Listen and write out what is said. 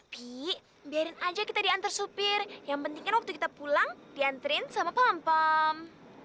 pi biarin aja kita diantre supir yang pentingnya waktu kita pulang diantrein sama pompom